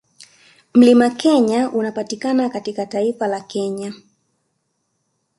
Mlima Kenya unaopatikana katika taifa la Kenya